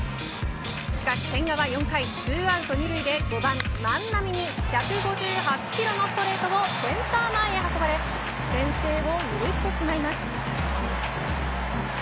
しかし千賀は４回、２アウト２塁で５番、万波に１５８キロのストレートをセンター前へ運ばれ先制を許してしまいます。